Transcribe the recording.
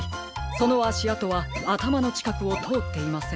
そのあしあとはあたまのちかくをとおっていません。